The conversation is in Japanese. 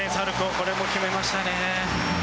これも決めましたね。